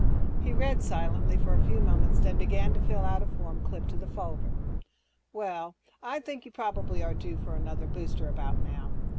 He read silently for a few moments, then began to fill out a form clipped to the folder. "Well, I think you probably are due for another booster about now.